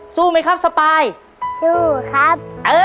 สู้ไหมครับสปายสู้ครับ